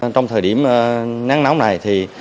trong thời điểm nắng nóng này thì